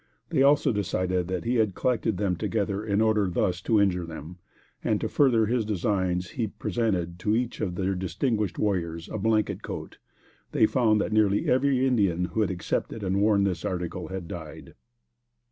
They, also, decided that he had collected them together in order thus to injure them, and to further his designs he had presented, to each of their distinguished warriors, a blanket coat. They found that nearly every Indian who had accepted and worn this article, had died.